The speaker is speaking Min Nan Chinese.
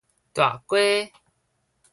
大街